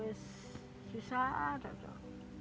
tidak mungkin berlubang ke dua medio ford dan